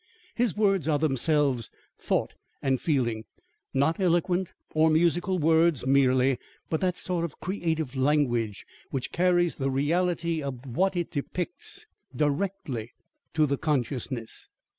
His words are themselves thought and feeling; not eloquent, or musical words merely, but that sort of creative language which carries the reality of what it depicts, directly, to the consciousness.